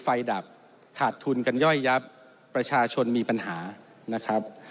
ดับขาดทุนกันย่อยยับประชาชนมีปัญหานะครับ